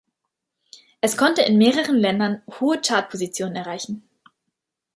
Es konnte in mehreren Ländern hohe Chartpositionen erreichen.